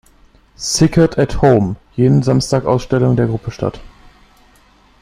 Sickert at home“ jeden Samstag Ausstellungen der Gruppe statt.